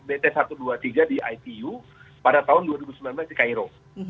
bt satu ratus dua puluh tiga di itu pada tahun dua ribu sembilan belas di cairo